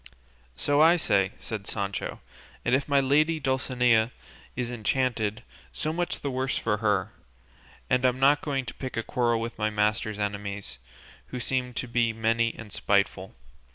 "So I say," said Sancho, "and if my lady Dulcinea is enchanted, so much the worse for her, and I'm not going to pick a quarrel with my master's enemies, who seem to be many and spiteful.